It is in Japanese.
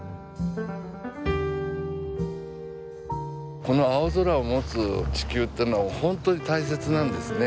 この青空を持つ地球ってのは本当に大切なんですね。